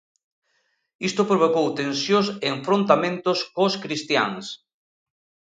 Isto provocou tensións e enfrontamentos cos cristiáns.